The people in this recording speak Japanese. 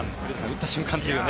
打った瞬間というね。